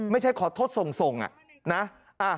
ไม่ใช่ขอโทษส่งนะ